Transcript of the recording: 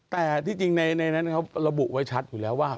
แต่ที่จริงในนั้นเขาระบุไว้ชัดอยู่แล้วว่า